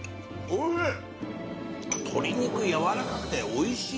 おいしい！